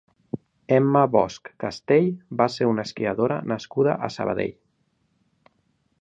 Emma Bosch Castell va ser una esquiadora nascuda a Sabadell.